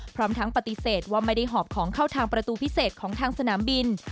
พร้อมทั้งปฏิเสธว่าไม่ได้หอบของเข้าทางประตูพิเศษของทางสนามบิน